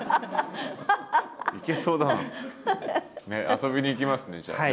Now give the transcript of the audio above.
遊びに行きますねじゃあね。